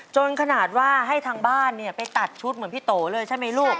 จนขนาดว่าให้ทางบ้านไปตัดชุดเหมือนพี่โตเลยใช่ไหมลูก